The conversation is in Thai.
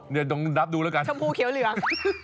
เนี่ยต้องนับดูแล้วกันชมพูเขียวเหลือง